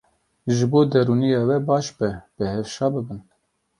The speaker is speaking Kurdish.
Ji bo derûniya we baş be, bi hev şa bibin.